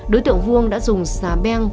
đối tượng vuông đã dùng xà beng